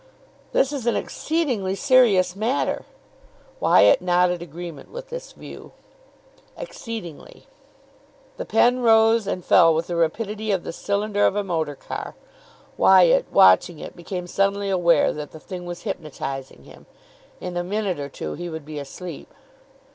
"This is an exceedingly serious matter." Wyatt nodded agreement with this view. "Exceedingly." The pen rose and fell with the rapidity of the cylinder of a motor car. Wyatt, watching it, became suddenly aware that the thing was hypnotising him. In a minute or two he would be asleep.